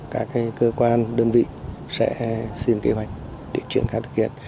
các cơ quan đơn vị sẽ xin kế hoạch để triển khai thực hiện